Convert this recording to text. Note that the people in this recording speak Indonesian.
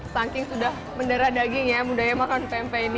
saking sudah menderah daging ya mudahnya makan pempe ini